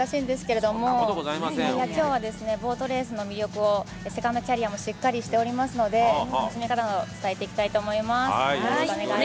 今日はボートレースの魅力を、セカンドキャリアもしっかりしておえりますので、楽しみ方を伝えていきたいと思います。